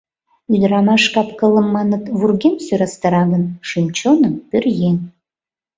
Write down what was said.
Ӱдырамаш кап-кылым, маныт, вургем сӧрастара гын, шӱм-чоным — пӧръеҥ.